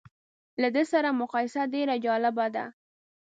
له ده سره مقایسه ډېره جالبه ده.